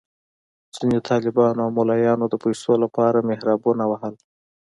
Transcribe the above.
ځینو طالبانو او ملایانو د پیسو لپاره محرابونه وهل.